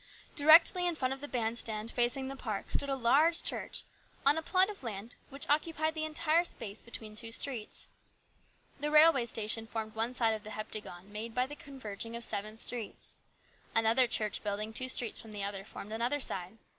Directly in front of the band stand, facing the park, stood a large church on a plot of land which occupied the entire space between two streets. The railway station formed one side of the heptagon made by the converging of seven streets. Another church building, two streets from the other, formed another side.